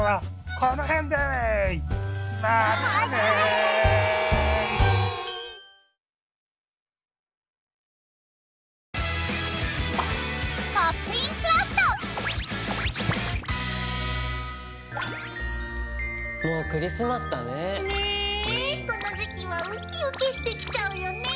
この時期はウキウキしてきちゃうよね。